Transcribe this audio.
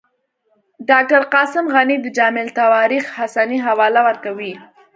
ډاکټر قاسم غني د جامع التواریخ حسني حواله ورکوي.